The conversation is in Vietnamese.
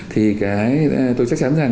thì tôi chắc chắn rằng